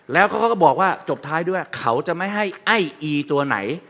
แล้วเขาก็บอกว่าจบท้ายด้วยเขาจะไม่ให้ไอ้อีตัวไหน